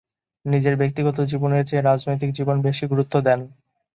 নিজের ব্যক্তিগত জীবনের চেয়ে রাজনৈতিক জীবন বেশি গুরুত্ব দেন।